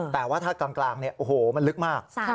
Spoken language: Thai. แต่ว่าถ้ากลางเนี่ยโอ้โหมันลึกมาก